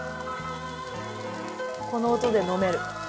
この音で飲める？